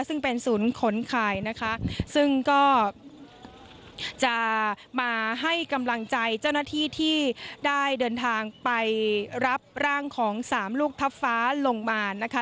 ซึ่งเป็นศูนย์ขนขายนะคะซึ่งก็จะมาให้กำลังใจเจ้าหน้าที่ที่ได้เดินทางไปรับร่างของสามลูกทัพฟ้าลงมานะคะ